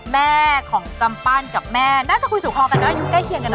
แม่ของกำปั้นกับแม่น่าจะคุยสู่คอกันเนอะอายุใกล้เคียงกันเน